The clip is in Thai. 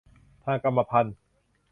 ทางกรรมพันธุ์